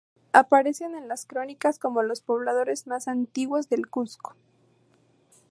Aparecen en las crónicas como los pobladores más antiguos del Cuzco.